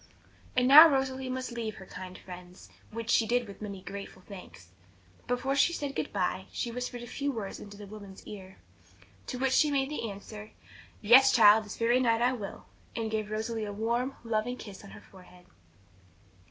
And now Rosalie must leave her kind friends, which she did with many grateful thanks. But before she said goodbye, she whispered a few words in the woman's ear. To which she made answer, 'Yes, child; this very night I will;' and gave Rosalie a warm, loving kiss on her forehead.